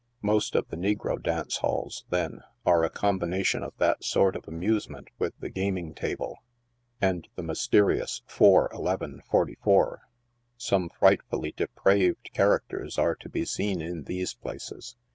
Most of the negro dance houses, then, are a combination of that sort of amusement with the gaming table and the mysterious 4 — 11 — 44. Some frightfully depraved characters are to be seen in these places.